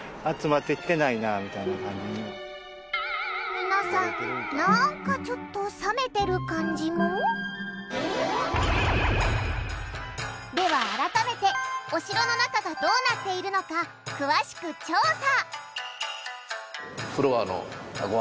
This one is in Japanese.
皆さんなんかちょっと冷めてる感じもでは改めてお城の中がどうなっているのか詳しく調査！